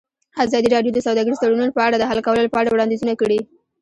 ازادي راډیو د سوداګریز تړونونه په اړه د حل کولو لپاره وړاندیزونه کړي.